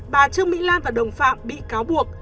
bà trương mỹ lan và đồng phạm bị cáo buộc